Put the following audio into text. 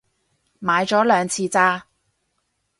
買咗兩次咋